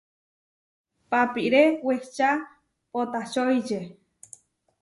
Papiré wehčá poʼtačoiče.